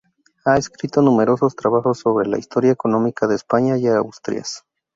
Ha escrito numerosos trabajos sobre la historia económica de España y Asturias.